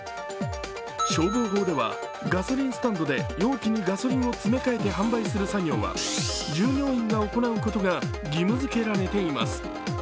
消防法ではガソリンスタンドで容器にガソリンを詰め替えて販売する作業は従業員が行うことが義務づけられています。